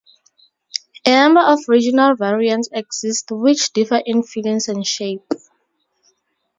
A number of regional variants exist which differ in fillings and shape.